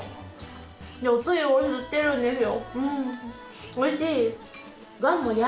でおつゆを吸ってるんですよ